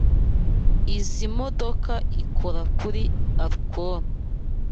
Izoi modoka ikora kuri alcool.